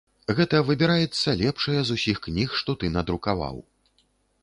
Гэта выбіраецца лепшае з усіх кніг, што ты надрукаваў.